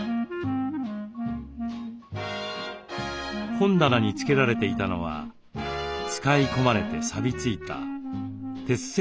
本棚に付けられていたのは使い込まれてさびついた鉄製の巻き尺。